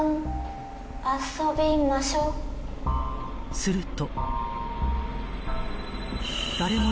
［すると］